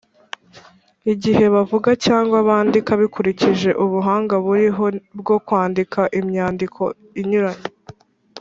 igihe bavuga cyangwa bandika bikurikije ubuhanga buriho bwo kwandika imyandiko inyuranye